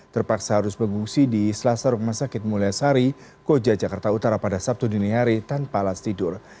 terpaksa harus mengungsi di selasar rumah sakit mulia sari koja jakarta utara pada sabtu dini hari tanpa alas tidur